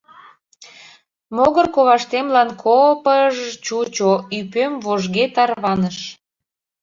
Могыр коваштемлан ко-пы-ыж-ж чучо, ӱпем вожге тарваныш.